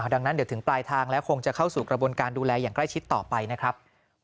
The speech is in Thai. ดังนั้นเดี๋ยวถึงปลายทางแล้วคงจะเข้าสู่กระบวนการดูแลอย่างใกล้ชิดต่อไปนะครับ